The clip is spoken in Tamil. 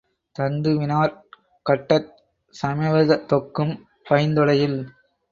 தந்துவினாற் கட்டச் சமைவதொக்கும் பைந்தொடையில்